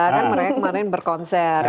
kan mereka kemarin berkonser